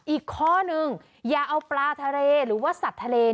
อีกข้อนึงอย่าเอาปลาทะเลหรือว่าสัตว์ทะเล